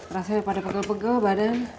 rasanya pada pegel pegel badan